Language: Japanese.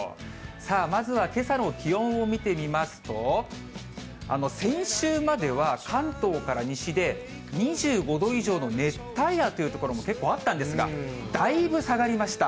さあ、まずはけさの気温を見てみますと、先週までは関東から西で２５度以上の熱帯夜という所も結構あったんですが、だいぶ下がりました。